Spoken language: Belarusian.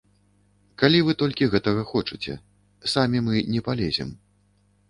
Калі вы толькі гэтага хочаце, самі мы не палезем.